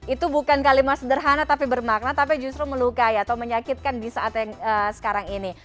itu bukan kalimat sederhana tapi bermakna tapi justru melukai atau menyakitkan di saat yang sekarang ini